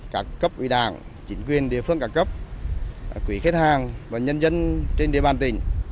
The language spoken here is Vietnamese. các cấp ủy đảng chính quyền địa phương cả cấp quỹ khách hàng và nhân dân trên địa bàn tỉnh